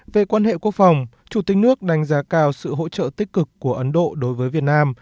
về quan hệ quốc phòng chủ tịch nước đánh giá cao sự hỗ trợ tích cực của ấn độ đối với việt nam